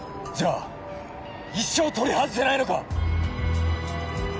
じゃあ一生取り外せないのか？